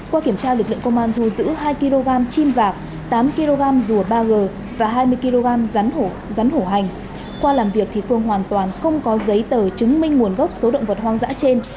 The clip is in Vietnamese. qua kiểm tra lực lượng công an thu giữ hai kg chim vạc tám kg rùa ba g và hai mươi kg rắn hổ rắn hổ hành qua làm việc thì phương hoàn toàn không có giấy tờ chứng minh nguồn gốc số động vật hoang dã trên